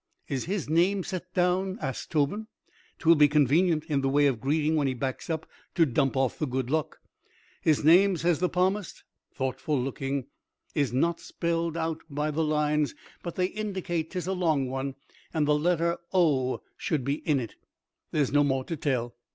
"Is his name set down?" asks Tobin. "'Twill be convenient in the way of greeting when he backs up to dump off the good luck." "His name," says the palmist, thoughtful looking, "is not spelled out by the lines, but they indicate 'tis a long one, and the letter 'o' should be in it. There's no more to tell.